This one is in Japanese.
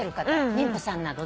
妊婦さんなどね。